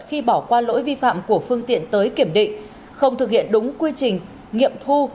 khi bỏ qua lỗi vi phạm của phương tiện tới kiểm định không thực hiện đúng quy trình nghiệm thu